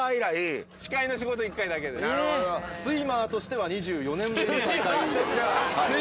スイマーとしては２４年ぶり。